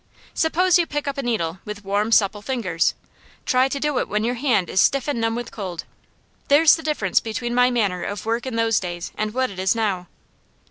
Suppose you pick up a needle with warm, supple fingers; try to do it when your hand is stiff and numb with cold; there's the difference between my manner of work in those days and what it is now.